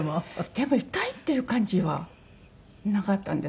でも痛いっていう感じはなかったんです。